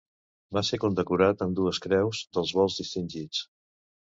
Va ser condecorat amb dues Creus dels Vols Distingits.